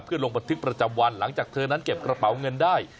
ลงบันทึกประจำวันหลังจากเธอนั้นเก็บกระเป๋าเงินได้